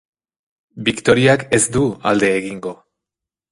Victoriak ez du alde egingo.